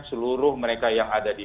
seluruh mereka yang ada di